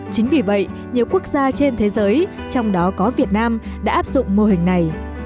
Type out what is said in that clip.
chính vì vậy nhiều quốc gia trên thế giới trong đó có việt nam đã áp dụng mô hình này